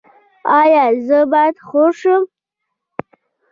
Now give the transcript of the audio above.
ایا زه باید خور شم؟